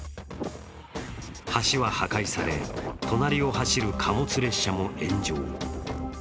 橋は破壊され、隣を走る貨物列車も炎上。